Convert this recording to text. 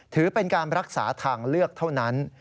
ถือเป็นการรักษาทางเลือกเท่านั้น